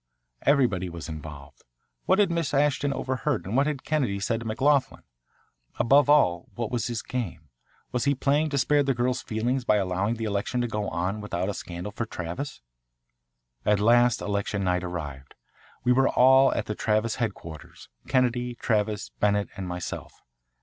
Everybody was involved. What had Miss Ashton overheard and what had Kennedy said to McLoughlin? Above all, what was his game? Was he playing to spare the girl's feelings by allowing the election to go on without a scandal for Travis? At last election night arrived. We were all at the Travis headquarters, Kennedy, Travis, Bennett, and myself.